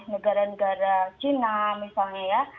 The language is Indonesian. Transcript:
negara negara china misalnya ya